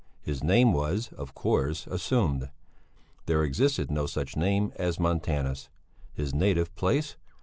His name was, of course, assumed! There existed no such name as Montanus! His native place?